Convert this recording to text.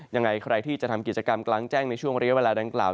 ยังไงใครที่จะทำกิจกรรมกลางแจ้งในช่วงเรียกเวลาดังกล่าว